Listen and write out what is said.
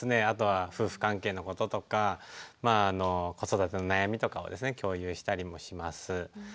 あとは夫婦関係のこととかまああの子育ての悩みとかをですね共有したりもします。